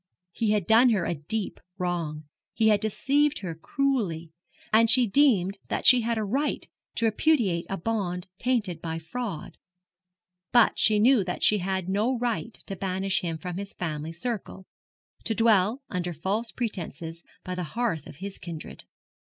He had done her a deep wrong; he had deceived her cruelly; and she deemed that she had a right to repudiate a bond tainted by fraud; but she knew that she had no right to banish him from his family circle to dwell, under false pretences, by the hearth of his kindred.